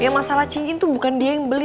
ya masalah cincin tuh bukan dia yang beli